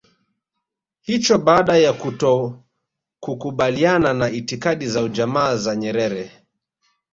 hicho baada ya kutokukubaliana na itikadi za ujamaa za Nyerere